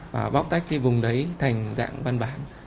và bóc tách cái vùng đấy thành dạng văn bản